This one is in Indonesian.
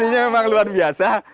tentunya memang luar biasa